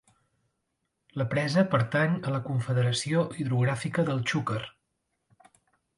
La presa pertany a la Confederació Hidrogràfica del Xúquer.